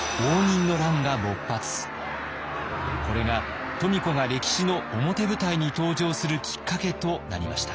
これが富子が歴史の表舞台に登場するきっかけとなりました。